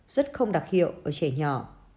rất không đặc hiệu ở trẻ nhỏ